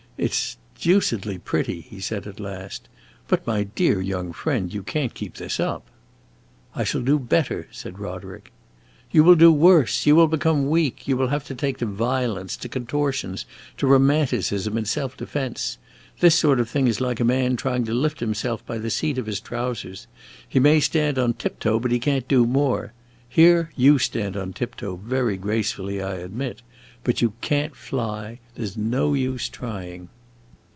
"It 's deucedly pretty," he said at last. "But, my dear young friend, you can't keep this up." "I shall do better," said Roderick. "You will do worse! You will become weak. You will have to take to violence, to contortions, to romanticism, in self defense. This sort of thing is like a man trying to lift himself up by the seat of his trousers. He may stand on tiptoe, but he can't do more. Here you stand on tiptoe, very gracefully, I admit; but you can't fly; there 's no use trying."